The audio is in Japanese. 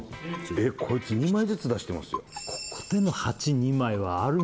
えっこいつ２枚ずつ出してますよ